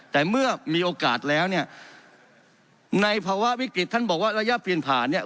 แต่เมื่อมีโอกาสแล้วเนี่ยในภาวะวิกฤตท่านบอกว่าระยะเปลี่ยนผ่านเนี่ย